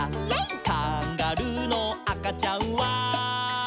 「カンガルーのあかちゃんは」